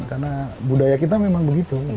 karena budaya kita memang begitu